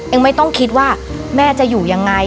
ไม่ต้องคิดว่าแม่จะอยู่ยังไง